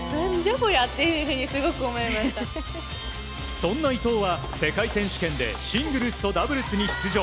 そんな伊藤は、世界選手権でシングルスとダブルスに出場。